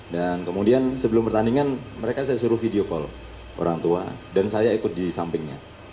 dan kemudian sebelum pertandingan mereka saya suruh video call orang tua dan saya ikut di sampingnya